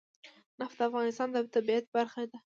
نفت د افغانستان د طبیعت برخه ده.